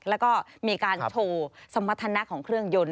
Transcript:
แล้วก็มีการโชว์สมรรถนะของเครื่องยนต